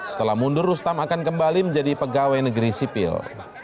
setelah mundur rustam akan kembali menjadi pegawai negeri sipil